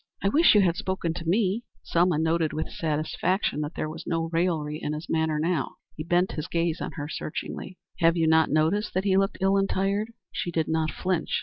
"I wish you had spoken to me." Selma noted with satisfaction that there was no raillery in his manner now. He bent his gaze on her searchingly. "Have you not noticed that he looked ill and tired?" She did not flinch.